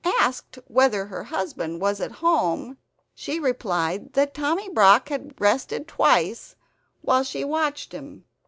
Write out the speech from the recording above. Asked whether her husband was at home she replied that Tommy Brock had rested twice while she watched him.